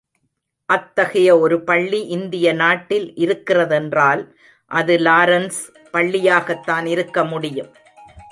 அத்தகைய ஒரு பள்ளி இந்திய நாட்டில் இருக்கிற தென்றால், அது லாரென்ஸ் பள்ளியாகத்தான் இருக்க முடியும்.